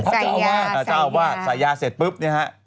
ก็เจ้าว่าสายยาเสร็จปุ๊บไม่หรือเปล่า